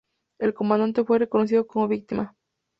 El comandante fue reconocido como víctima.